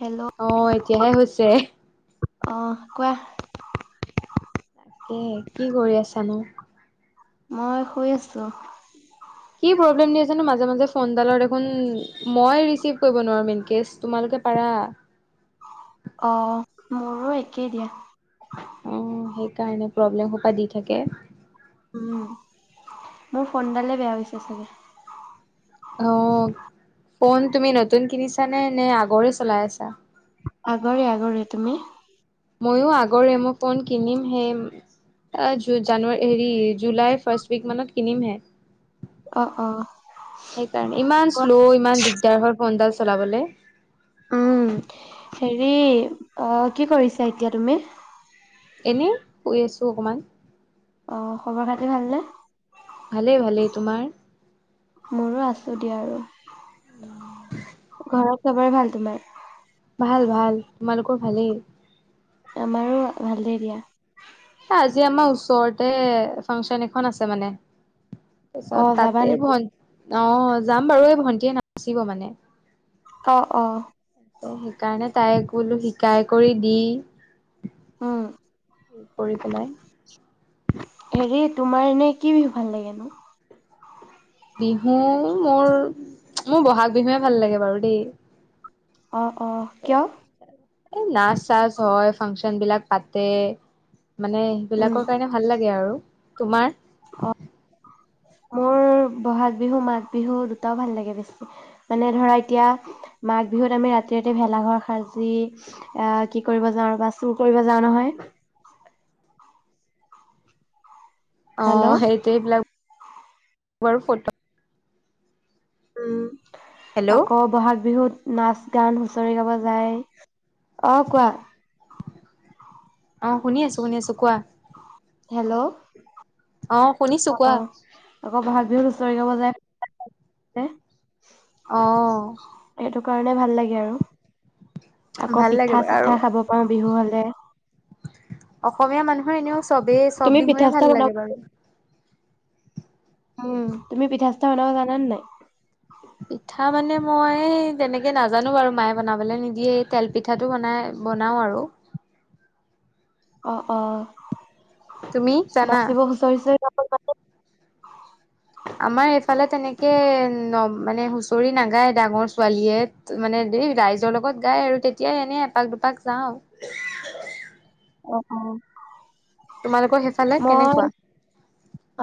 Hello আহ এতিয়াহে হৈছে অঁ কোৱা। তাকে কি কৰি আছানো? মই শুই আছো। কি প্ৰব্লেম দি আছে নো মাজে মাজে ফোনডালৰ দেখোন, মই ৰিচিভ কৰিব নোৱাৰো মেন কেচ তোমালোকে পাৰা। অ, মোৰো একেই দিয়া। অ সেইটো কাৰণে প্ৰব্লেম সোপা দি থাকে। উম মোৰ ফোনডালে বেয়া হৈছে চাগে। অ, ফোন তুমি নতুন কিনিছা নে, নে আগৰে চলাই আছা। আগৰে আগৰে তুমি? ময়ো আগৰ এম' ফোন কিনিম সেই, জানুৱাৰী হেৰি জুলাইৰ ফাৰ্ষ্ট উইক মানত কিনিমহে। অ অ সেইকাৰণে, ইমান কোৱা শ্ল' ইমান দিগদাৰ হয় ফোনদাল চলাবলে। উম হেৰি, অ কি কৰিছা এতিয়া তুমি? এনেই, শুই আছো অকমান। অ, খবৰ খাতি ভালনে? ভালেই ভালেই, তোমাৰ? মোৰো আছো দিয়া আৰু, ঘৰত চবৰে ভাল তোমাৰ? ভাল ভাল, তোমালোকৰ ভালেই? আমাৰো ভালেই দিয়া। আজি আমাৰ ওচৰতে ফাংচন এখন আছে মানে অ তাৰপিছত যাবা তাতে নেকি ভন্টি অ, যাম বাৰু এই ভণ্টিয়ে নাচিব মানে। অ অ। সেইকাৰণে তাই বোলো শিকাই কৰি দি উম কৰি পেলাই হেৰি তোমাৰ এনে কি বিহু ভাল লাগেনো? বিহু মোৰ, মোৰ বহাগ বিহুৱে ভাল লাগে বাৰু দেই। অ অ, কিয়? এই নাচ চাচ হয়, ফাংচন বিলাক পাতে। মানে উম সেইবিলাকৰ কাৰণে ভাল লাগে আৰু। তোমাৰ? অ মোৰ বহাগ বিহু, মাঘ বিহু দুটাও ভাল লাগে বেছি, মানে ধৰা এতিয়া মাঘ বিহুত আমি ৰাতি ৰাতি ভেলাঘৰ সাজি, আহ কি কৰিব যাওঁ বা চুৰ কৰিব যাওঁ নহয়। অ হেল্ল' সেইটো এইবিলাক বৰ ফোট উম। হেল্ল' আকৌ বহাগ বিহুত নাচ গান হুঁচৰি গাব যায়, অ কোৱা? অ শুনি আছো, শুনি আছো কোৱা? হেল্ল'। অ শুনিছো অ কোৱা? আকৌ বহাগ বিহুত হুচৰি গাব যায়, নে অ কাৰণে ভাল লাগে আৰু আকৌ ভাল লাগে পিঠা বাৰু আৰু চিঠা খাব পাৰো বিহু হলে অসমীয়া মানুহৰ এনেও চবেই চব তুমি পিঠা বিহুৱে চিঠা ভাল বনাব লাগে বাৰু উম তুমি পিঠা চা বনাব জানানে নাই পিঠা মানে মই তেনেকে নাজানো বাৰু মায়ে বনাবলৈ নিদিয়ে তেল পিঠাটো বনাই বনাও আৰু অ অ তুমি জানা? নাচিব হুঁচৰিছে আমাৰ এইফালে তেনেকে ন মানে হুঁচৰি নাাগায় ডাঙৰ ছোৱালীয়ে মানে দেই ৰাইজৰ লগত গায় আৰু তেতিয়াই এনেই এপাক দুপাক যাওঁ। অ তোমালোকৰ সেইফালে মই কেনেকুৱা?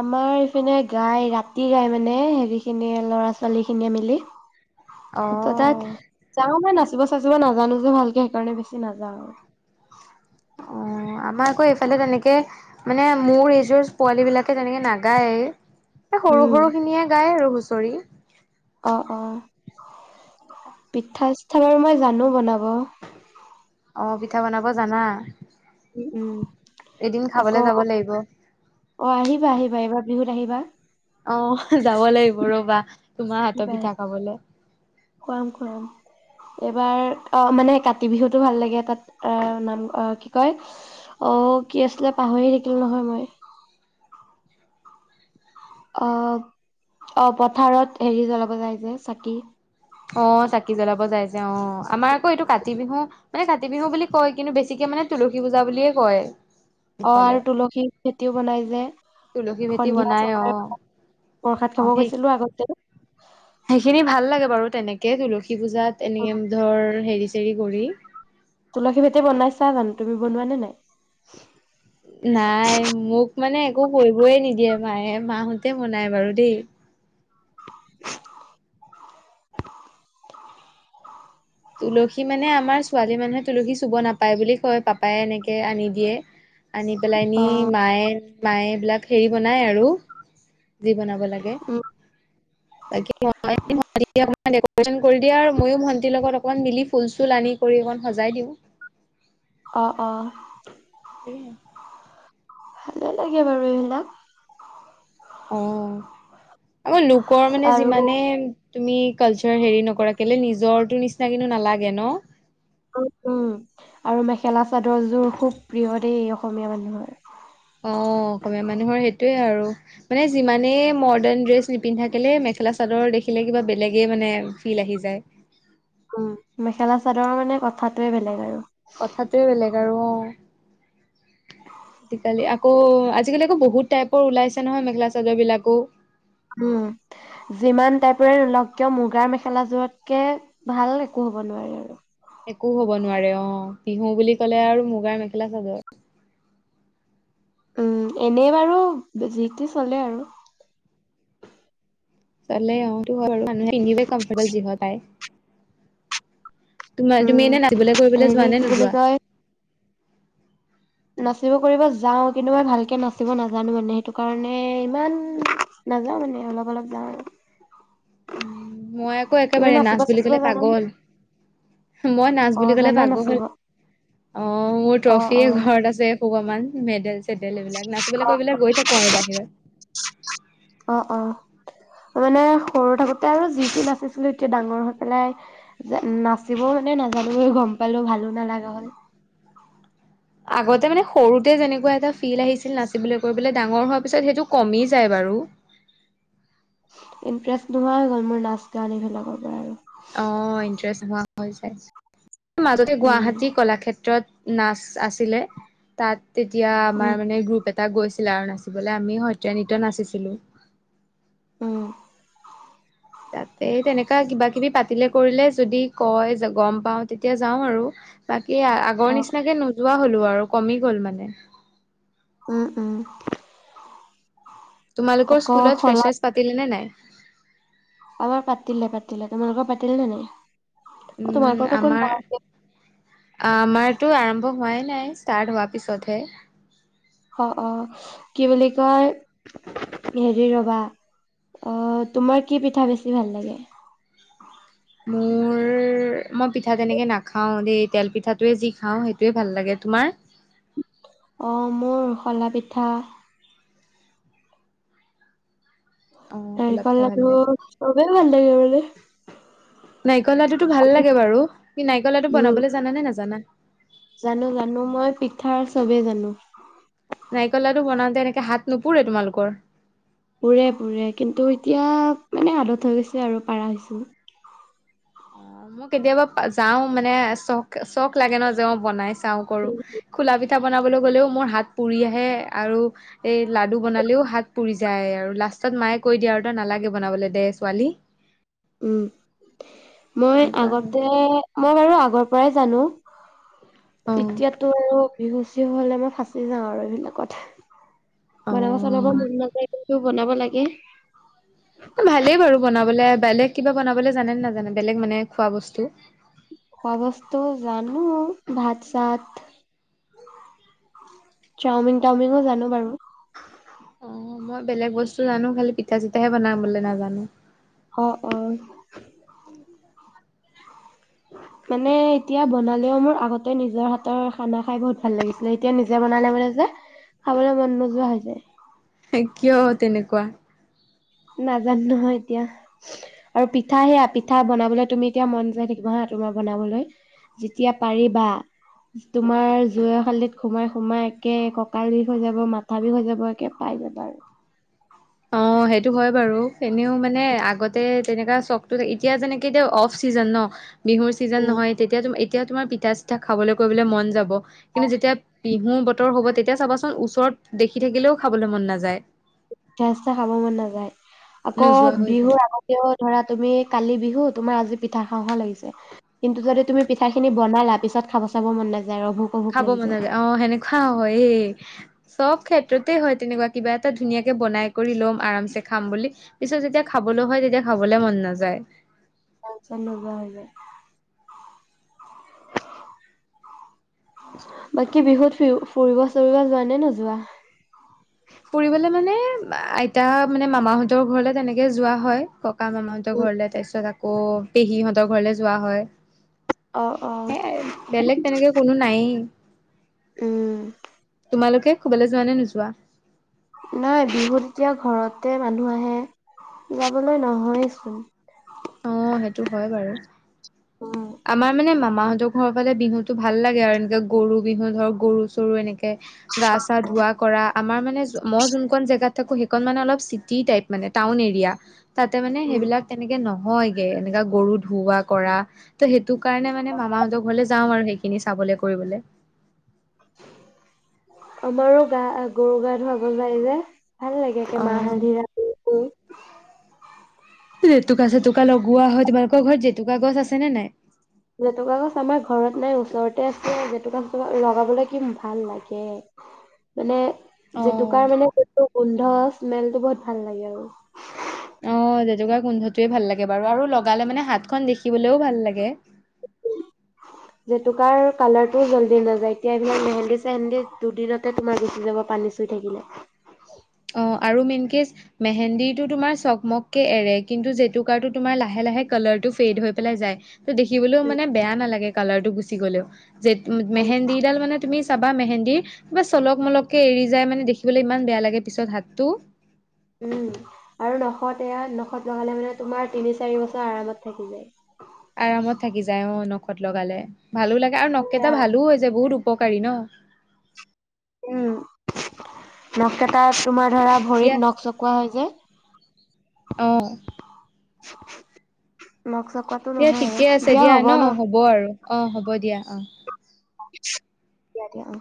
আমাৰ ইফিনে গাই ৰাতি গাই মানে হেৰি খিনি ল'ৰা ছোৱালী খিনিয়ে মিলি। ত তাত অ' চ মন আ নাচিব চাচিব নাজানো যে ভালকে সেইকাৰণে বেছি নাজাওঁ আৰু অ আমাৰ আকৌ এইফালে তেনেকে মানে মোৰ এইযোৰ পোৱালী বিলাকে তেনেকে নাগায় এ আৰু সৰু উম সৰু খিনিয়ে গাই ৰছো হুচৰি। অ অ পিঠা চিঠা বাৰু মই জানো বনাব অ পিঠা বনাব জানা উম উম এদিন খাবলে আকৌ যাব লাগিব। অ আহিবা আহিবা আহিবাৰ বিহুত আহিবা অ যাব লাগিব ৰ'বা তোমাৰ হাতৰ বাই পিঠা খাবলে। খুৱাম খুৱাম এইবাৰ অ মানে কাতি বিহুতো ভাল লাগে তাত আহ নাম কি কয় অ কি আছিলে পাহৰি থাকিল নহয় মই। অ অ পথাৰত হেৰি জ্বলাব যায় যে চাকি। অ চাকি জ্বলাব যাইছে অ আমাৰ আকৌ এইটো কাতি বিহু মানে কাতি বিহু বুলি কয় কিন্তু বেছিকে মানে তুলসী পূজা বুলিয়ে কয়। অ ইফালে। আৰু তুলসী খেতিও বনাই যে তুলসী ভেটি সন্ধিয়া বনাই চ অ', প্ৰসাদ খাব অ', সেই গৈছিলো আগতে সেইখিনি ভাল লাগে বাৰু তেনেকে তুলসী পূজাত এনেকে ধৰ হেৰি জেৰি কৰি তুলসী ভেটে বনাইছা জানো তুমি বনোৱা নে নাই নাই মোক মানে একো কৰিবই নিদিয়ে মায়ে মাহোতে বনাই বাৰু দেই। [unintelligible] তুলসী মানে আমাৰ ছোৱালী মানুহে তুলসী চুব নাপায় বুলি কয় পাপায়ে এনেকে আনি দিয়ে আ পেলাই অ নি মায়ে মায়ে এইবিলাক হেৰি বনায় আৰু যি বনাব লাগে উম তাকে দেকুৰেচন কৰি দিয়া আৰু মইো ভন্টিৰ লগত অকমান মিলি ফুল চুল আনি কৰি অকন সজাই দিওঁ। অ অ এ ভালে লাগে বাৰু এইবিলাক অহ আকৌ লোকৰ মানে আৰু যিমানে তুমি কালচাৰ হেৰি নকৰা কেলৈ নিজৰো নিচিনা কিন্তু নালাগে ন উম আৰু মেখেলা চাদৰ জোৰ খুব প্ৰিয় দেই অসমীয়া মানুহৰ অ অসমীয়া মানুহৰ সেইটোয়ে আৰু। মানে যিমানে মৰ্ডাৰ্ণ ড্ৰেছ নিপিন্ধ থাকিলে মেখেলা চাদৰ দেখিলে কিবা বেলেগে মানে ফিল আহি যায়। উম মেখেলা চাদৰ মানে কথাটোয়ে বেলেগ আৰু। কথাটোোৱে বেলেগ আৰু অ আজিকালি আকৌ আজিকালি আকৌ বহুত টাইপৰ ওলাইছে নহয় মেখেলা চাদৰ বিলাকো উম যিমান টাইপৰে নোলও কিয় মুগাৰ মেখেলাযোৰতকে ভাল একো হব নোৱাৰে আৰু। একো হ'ব নোৱাৰে অ বিহু বুলি কলে আৰু মুগাৰ মেখেলা চাদৰ। উম এনেই বাৰু যিতি চলে আৰু চলে অ এ কমফট যিহতাই। তোমাৰ উম তুমি এনে নাচিবলৈ কৰিবলৈ হেৰি যোৱা নে কি বুলি নোযোৱা কয় নাচিব কৰিব যাও কিন্তু মই ভালকে নাচিব নাজানো মানে সেইটো কাৰণে ইমান নাযাও মানে অলপ অলপ যাওঁ আৰু মই আকৌ তুমি একেবাৰে নাচিব নাচ বুলি চাচিব কলে জানানে? পাগল মই নাচ অ বুলি ক'লে জানা পাগল হ'ল নাচিব অ মোৰ অ ট্ৰফিয়ে অ ঘৰত আছে। ভোগ মান মেডেল চেডেল এইবিলাক নাচিবলৈ কৰিব গৈ থাকো আৰু বাহিৰত। অ অ মানে সৰু থাকোতে আৰু যিটো নাচিছিলো এতিয়া ডাঙৰ হৈ পেলাই নাচিবও মানে নাজানো গম পালো ভালো নালাগা হল। আগতে মানে সৰুতে যেনেকুৱা এটা ফিল আহিছিল নাচিবলৈ কৈললে ডাঙৰ হোৱাৰ পিছত সেইটো কমি যায় বাৰু ইণ্টাৰেষ্ট নোহোৱা হৈ গ'ল মোৰ নাচ গান এইবিলাকৰ পৰা আৰু অ ইণ্টাৰেষ্ট হ হৈ যাইছো মাজতে উম গুৱাহাটী কলাক্ষেত্ৰত নাচ আছিলে তাত। তেতিয়া আমাৰ উম মানে গ্ৰুপ এটা। তাত গৈছিলা আৰু নাচিবলৈ আমি সত্ৰীয়া নৃত্য নাচিছিলো। উম তাতে তেনেকা কিবা কিবি পাতিলে কৰিলে যদি কয় গম পাওঁ তেতিয়া যাওঁ আৰু বাকী। এ আগৰ অ নিচিনাকে নোযো কোৱা হ'লো আৰু কমি গ'ল মানে উম উম তোমালোকৰ আকৌ স্কুলত শলা ফ্ৰেচাৰছ পাতিলে নে নাই? আমাৰ পাতিলে পাতিলে তোমালোকৰ পাতিলে নে নাই? অ উম তোমালোকৰতো আমাৰ কোন আমাৰতো আৰম্ভ হোৱাই নাই ষ্টাৰ্ট হোৱা পিছতে হে অ অ কি বুলি কয় হেৰি ৰবা অ তোমাৰ কি পিঠা বেছি ভাল লাগে? মোৰ মই পিঠা তেনেকে নাখাও দেই তেল পিঠাটোৱে যি খাওঁ সেইটোৱে ভাল লাগে তোমাৰ অ মোৰ শলা পিঠা অ', খোলা নাৰিকল পিঠা ভাল লাডু লাগে। চবেই ভাল [unintelligible] নাৰিকল লাডুটো ভাল লাগে বাৰু। কি নাৰিকল লাডু উম বনাবলৈ জানা নে নাজানা? জানো জানো মই পিঠাৰ চবেই জানো। নাৰিকলাটো বনাওঁতে এনেকে হাত নুপৰে তোমালোকৰ পুৰে পুৰে কিন্তু এতিয়া মানে আদত হৈ গৈছে আৰু পাৰা হৈছো। অ মই কেতিয়াবা যাও মানে চখ চখ লাগে ন যে অ বনাইছ চাও কৰো খোলা পিঠ পিঠা বনাবলৈ গ'লেও মোৰ হাত পুৰি আহে আৰু এই লাডু বনালেও হাত পুৰি যায় আৰু লাষ্টত মায়ে কৈ দিয়ে আৰু তই নালাগে বনাবলৈ দে ছোৱালী। উম মই তেনেকুৱা হয় আগতে মই বাৰু আগৰ পৰাই জানো। অ', এতিয়াতো আৰু বিহুজ যি হলে মই ফাঁচি যাওঁ আৰু এইবিলাকত বনাব চনাব অ', মন নেযায় যদিও বনাব লাগে ভালেই বাৰু বনাবলে বেলেগ কিবা বনাবলে জানে নাজানে বেলেগ মানে খোৱা বস্তু। খোৱা বস্তু জানো ভাত চাত চাওমিন তাওমিনো জানো বাৰু অ মই বেলেগ বস্তু জানো খালি পিঠা চিঠাহে বনাম বুলি নাজানো। অ অ মানে এতিয়া বনালেও মোৰ আগতে নিজৰ হাতৰ খানা খাই বহুত ভাল লাগিছিলে এতিয়া নিজে বনালে মানে যে খাবলৈ মন নোযোৱা হৈ যায়। কিয় তেনেকুৱা নাজানো নহয় এতিয়া আৰু পিঠা সেয়া পিঠা বনাবলৈ তুমি এতিয়া মন যাই থাকিবা হা তোমাৰ বনাবলৈ যেতিয়া পাৰিবা তোমাৰ জুইশালীত সোমাই সোমাই একে কঁকাল বিষ হৈ যাব মাথা বিষ হৈ যাব একে পাই যাবা আৰু। অ সেইটো হয় বাৰু এনেও মানে আগতে তেনেককা চক এতিয়া যেনেকে এতি অফ চিজন ন। বিহুৰ ছিজন উম নহয় তেতিয়া ত এতিও তোমাৰ পিঠা। পঠা খাবলৈ কৰিবলৈ মন যাব। কিন্তু যেতিয়া বিহু বতৰ। হ'ব তেতিয়া চাবাচোন ওচৰত দেখি থাকিলেও খাবলৈ মন নাযায় সচা খাব মান নালযায় আকৌ নোযোৱা হৈ যায় বিহুৰ আগতেও ধৰা তুমি কালি বিহু তোমাৰ আজি পিঠা খাওঁ হা লাগিছে কিন্ত যদি তুমি পিঠা খিনি বনাই লা পিছত খাব চাব মন নাইযায়। খাব মান যে অ সেনেকুৱা হয় এ চব ক্ষেত্ৰতে হয় তেনেকুৱা কিবা এটা ধুনীয়াকে বনাই কৰি লম। আৰামছে খাম বুলি পিছত যেতিয়া খাবলৈ হয়। তেতিয়া খাবলে মন নাযায় কাম চাম নোহোৱা হৈ যায় বাকী বিহুত ফুৰিব চুৰিব যোৱা নে নোযোৱা? ফুৰিবলে মানে আইতা মানে মামাহঁতৰ ঘৰলে তেনেকে যোৱা হয় ক। ককা মামা হঁতৰ ঘৰলে তাৰপিছত- আকৌ পেহীহঁতৰ ঘৰলে যোৱা হয়। অ', অ'। সে বেলেগ তেনেকে কোনো নাইয়ে। উম। তোমালোকে কবালে যোৱা নে নোযোৱা। নাই বিহুত এতিয়া ঘৰতে মানুহ আহে যাবলৈ নহয়চোন। অ সেইটো হয় বাৰু। উম, আমাৰ মানে মামা মামাহঁতৰ ঘৰৰ ফালে বিহুতো ভাল লাগে আৰু এনেকে গৰু বিহু ধৰ গৰু চৰু এনেকে গা চা অ', ধোৱা কৰা আমাৰ মানে মই যোনখনন জেগাত থাকোঁ সেইখনন মানে অলপ চিটি টাইপ মানে টাউন এৰিয়া তাতে মানে উম। সেইবিলাক তেনেকে নহ। হয় গে এনেকা গৰু ধুওৱা কৰা ত সেইটো কাৰণে মানে মামাহঁতৰ ঘৰলে যাওঁ আৰু সেইখিনি চাবলে কৰিবলৈ। আমাৰো গা গৰু গা ধুৱাব লাগে যে। ভাল লাগে অ মাহ হালধিৰা। [unintelligible] জেতুকা চেতুকা লগোৱা হয়। তোমালোকৰ ঘৰত জেতুকা গছ আছে নে নাই। জেতুকা গছ আমাৰ ঘৰত নাই। ওচৰতে আছে জেতুকা লগাবলৈ কি ভাল লাগে মানে। অ জেতুকাৰ মানে সেইটো গোন্ধ। স্মেল টো বহুত ভাল লাগে আৰু। অ জেতুকা গোন্ধটোৱে ভাল লাগে বাৰু আৰু লগালে মানে হাতখন দেখিবলেও ভাল লাগে। জেতুকাৰ কালাৰটোও জল্দি নাযায় এতিয়া ইমান মেহেন্দি চেহেন্দদি দুদিনতে তোমাৰ গুচি যাব পানী চুই থাকিলে। অ আৰু মেইন কেচ মেহেন্দিটো তোমাৰ চকমককে এৰে কিন্তু জেতুকাটো তোমাৰ লাহে লাহে কালাৰটো ফেইড হৈ পেলাই যায়। ত দেখিবলৈও মানে বেয়া নালাগে কালাৰতটো গুচি গ'লেও। যে উম। মেহেন্দিডাল মানে তুমি চাব। বা মেহেন্দিৰ কিবা চলক মলকে এৰি যায় মানে দেখিবলৈ ইমান বেয়া লাগে। পিছত হাতটো। আৰু নখত এয়া নখত লগালে মানে তোমাৰ তিনি চাৰি বছৰ আৰামত থাকিব যায়। আৰামত থাকি যায় অ নখত লগালে। ভালো লাগে আৰু নকেইটা এয়া ভালোও হৈ যায় বহুত। উপকাৰী ন। উম নখকেইটা তোমাৰ। ধৰা দিয়া ভৰিত নখ চকোৱা হয় যে। অ [unintelligible] দিয়া ঠিকে আছে দিয়া ন, হ'ব আৰু। অ হ'ব দিয়া অ। দিয়া দিয়া অ।